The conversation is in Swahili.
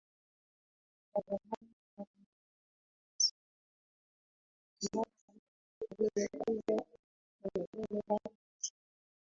Wazaramo ni sehemu ya Wabantu waliokuza utamaduni hapa nchini